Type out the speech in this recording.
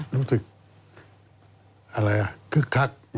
รู้สึกคึกคัก